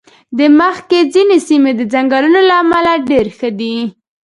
د مځکې ځینې سیمې د ځنګلونو له امله ډېر مهم دي.